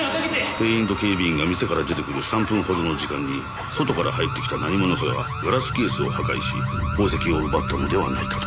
店員と警備員が店から出てくる３分ほどの時間に外から入ってきた何者かがガラスケースを破壊し宝石を奪ったのではないかと。